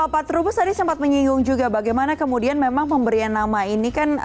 pak trubus tadi sempat menyinggung juga bagaimana kemudian memang pemberian nama ini kan